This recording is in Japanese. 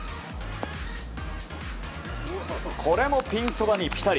これもピンそばにピタリ。